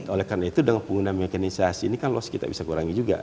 oleh karena itu dengan penggunaan mekanisasi ini kan loss kita bisa kurangi juga